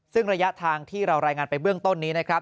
ซึ่งระยะทางที่เรารายงานไปเบื้องต้นนี้นะครับ